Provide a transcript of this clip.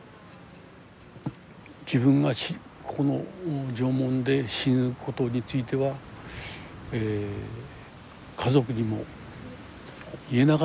自分がこの常紋で死ぬことについては家族にも言えなかったわけですね。